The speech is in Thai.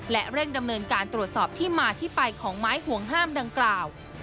และเร่งดำเนินการตรวจสอบที่มาที่ไปของไม้ห่วงห้ามดังกล่าว